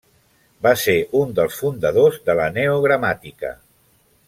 Va ser un dels fundadors de la neogramàtica.